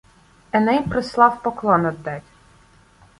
Еней прислав поклон оддать